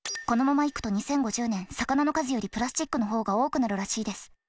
このままいくと２０５０年魚の数よりプラスチックの方が多くなるらしいです。